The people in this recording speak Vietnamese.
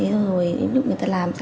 rồi em giúp người ta làm